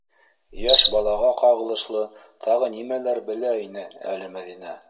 Йәш балаға ҡағылышлы тағы нимәләр белә ине әле Мәҙинә?